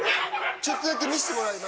ちょっとだけ見せてもらえます？